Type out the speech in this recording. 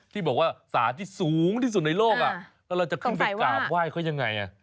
ที่บอกว่าสารที่สูงที่สุดในโลกแล้วเราจะขึ้นไปกราบไหว้เขายังไง